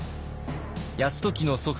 泰時の祖父